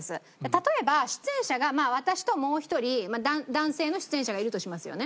例えば出演者が私ともう一人男性の出演者がいるとしますよね。